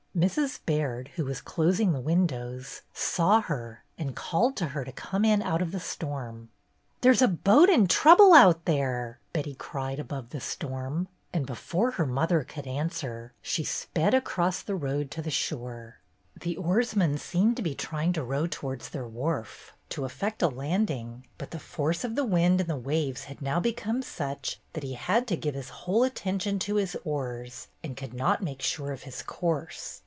Mrs. Baird, who was closing the windows, saw her and called to her to come in out of the storm. "There 's a boat in trouble out there," Betty cried, above the storm, and before her mother could answer she sped across the road to the shore. The oarsman seemed to be trying to row towards their wharf, to effect a landing, but the force of the wind and the waves had now become such that he had to give his whole attention to his oars and could not make sure of his course.